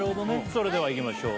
それではいきましょう